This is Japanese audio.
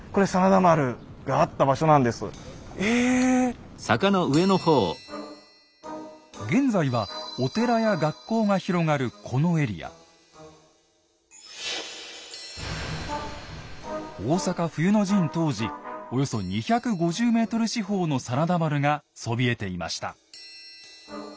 大坂冬の陣当時およそ２５０ｍ四方の真田丸がそびえていました。